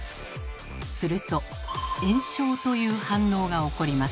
すると「炎症」という反応が起こります。